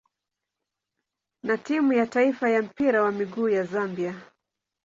na timu ya taifa ya mpira wa miguu ya Zambia.